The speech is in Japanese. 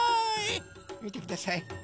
みてください！